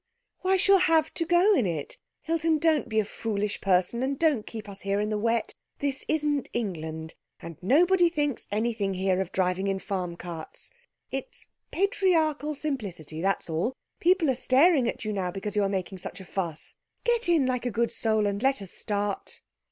Why, she'll have to go in it. Hilton, don't be a foolish person, and don't keep us here in the wet. This isn't England, and nobody thinks anything here of driving in farm carts. It is patriarchal simplicity, that's all. People are staring at you now because you are making such a fuss. Get in like a good soul, and let us start."